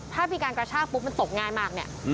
ถ้ามีการกระชากมันตกง่ายมาก